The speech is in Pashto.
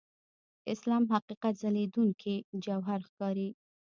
اسلام حقیقت ځلېدونکي جوهر ښکاري.